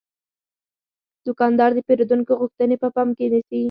دوکاندار د پیرودونکو غوښتنې په پام کې نیسي.